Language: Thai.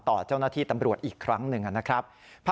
ต่อเจ้าหน้าที่ตำรวจอีกครั้งหนึ่งนะครับ